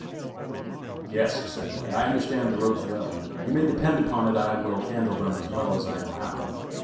"Yes," said White, "I understand the ropes well, and you may depend upon it I will handle them as well as I know how.